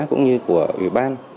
cũng như của ủy ban